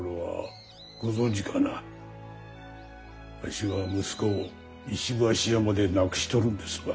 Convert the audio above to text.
わしは息子を石橋山で亡くしとるんですわ。